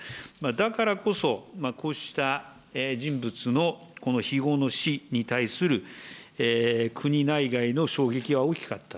だからこそ、こうした人物のこの非業の死に対する国内外の衝撃は大きかった。